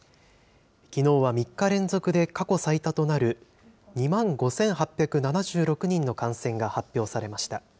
きのうは３日連続で過去最多となる、２万５８７６人の感染が発表されました。